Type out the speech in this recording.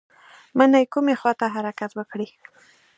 مڼې کومې خواته حرکت وکړي؟